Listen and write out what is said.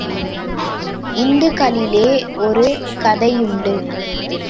இந்துக்களிலே ஒரு கதையுண்டு.